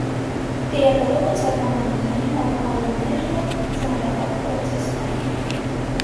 Տիրապետում են սառնամանիքային հողմահարումներն ու ծանրահակ պրոցեսները։